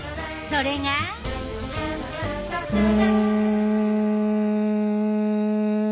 それが！ん。